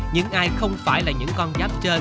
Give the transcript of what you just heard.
những ai không phải là những con giáp trên